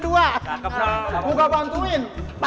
oh yaudah makasih ya